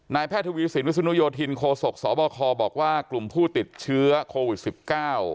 แพทย์ทวีสินวิศนุโยธินโคศกสบคบอกว่ากลุ่มผู้ติดเชื้อโควิดสิบเก้า